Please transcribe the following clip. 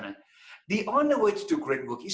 cara terakhir untuk melakukan kerja yang bagus